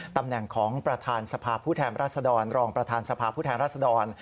ตำแหน่งของประธานสภาพผู้แทนรัศดรรองประธานสภาพผู้แทนรัศดร